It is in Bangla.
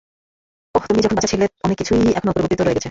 ওহ তুমি যখন বাচ্চা ছিলে, অনেক কিছুই এখনো অপরিবর্তিত রয়ে গেছে।